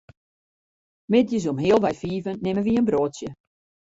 Middeis om healwei fiven nimme wy in broadsje.